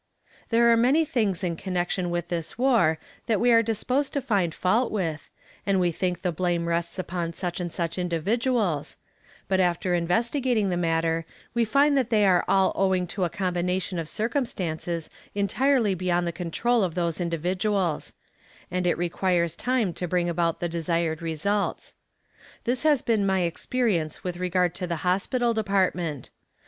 There are many things in connection with this war that we are disposed to find fault with, and we think the blame rests upon such and such individuals but after investigating the matter, we find that they are all owing to a combination of circumstances entirely beyond the control of those individuals and it requires time to bring about the desired results. This has been my experience with regard to the hospital department.